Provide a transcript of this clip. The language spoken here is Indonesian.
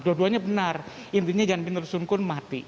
dua duanya benar intinya jan pietersoenkoen mati